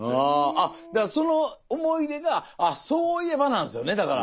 あっだからその思い出が「あっそういえば」なんですよねだから。